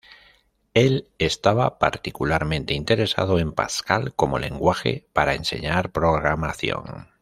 Él estaba particularmente interesado en Pascal como lenguaje para enseñar programación.